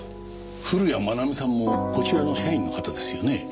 古谷愛美さんもこちらの社員の方ですよね？